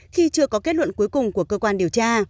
khi chưa có kết luận cuối cùng của cơ quan điều tra